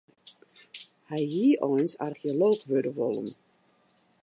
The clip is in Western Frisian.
Hy hie eins archeolooch wurde wollen.